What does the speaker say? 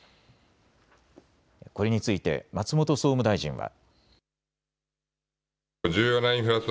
これについて松本総務大臣は。